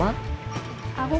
aku kan ke rumah